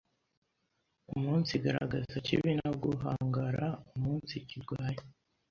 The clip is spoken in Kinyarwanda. umunsigaragaza ikibi no guhangara umunsikirwanya